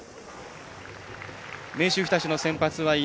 明秀日立の先発は猪俣。